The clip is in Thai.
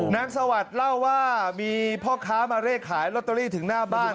นางสวัสดิ์เล่าว่ามีพ่อค้ามาเลขขายลอตเตอรี่ถึงหน้าบ้าน